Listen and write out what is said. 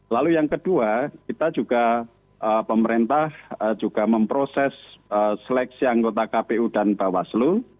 lalu yang kedua kita juga pemerintah juga memproses seleksi anggota kpu dan bawaslu